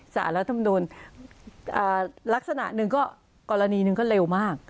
สารรัฐมนุนลักษณะหนึ่งก็กรณีหนึ่งก็เร็วมาก